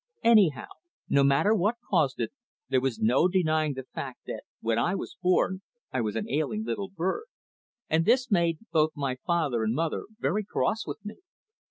Anyhow, no matter what caused it, there was no denying the fact that when I was born I was an ailing little bird, and this made both my father and mother very cross with me.